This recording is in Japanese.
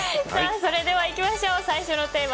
それではいきましょう。